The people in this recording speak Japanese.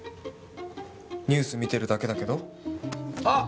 ニュース見てるだけだけどあっ！